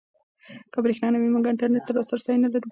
که برېښنا نه وي موږ انټرنيټ ته لاسرسی نلرو.